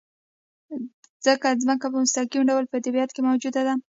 ځکه ځمکه په مستقیم ډول په طبیعت کې موجوده ده.